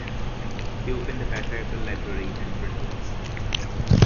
He opened the Patriarchal Library and Print Works.